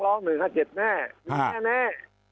ร้อง๑๕๗แน่